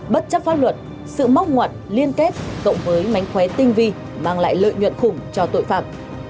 bất chấp pháp luật sự móc ngoặt liên kết cộng với mánh khóe tinh vi mang lại lợi nhuận khủng cho tội phạm